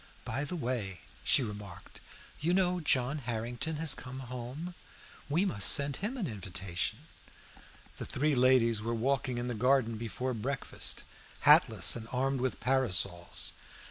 "By the way," she remarked, "you know John Harrington has come home. We must send him an invitation." The three ladies were walking in the garden after breakfast, hatless and armed with parasols.